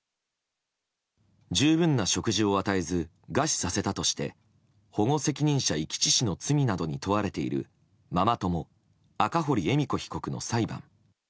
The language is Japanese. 十分な食事を与えず餓死させたとして保護責任者遺棄致死の罪などに問われているママ友、赤堀恵美子被告の裁判。